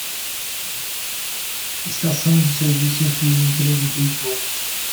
Estação de serviço de emprego Beitou